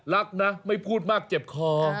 รักนะไม่พูดมากเจ็บคอ